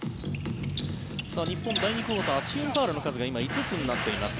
日本、第２クオーターチームファウルの数が今、５つになっています。